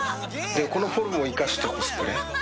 このフォルムを生かしたコスプレ。